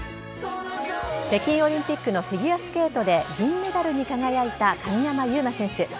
北京オリンピックのフィギュアスケートで銀メダルに輝いた鍵山優真選手。